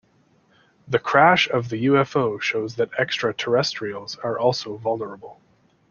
The crash of the UFO shows that extraterrestrials are also vulnerable.